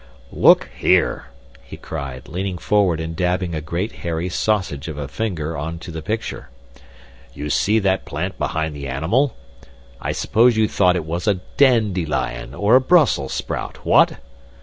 "Look here!" he cried, leaning forward and dabbing a great hairy sausage of a finger on to the picture. "You see that plant behind the animal; I suppose you thought it was a dandelion or a Brussels sprout what?